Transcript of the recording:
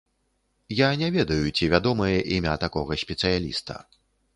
Я не ведаю, ці вядомае імя такога спецыяліста.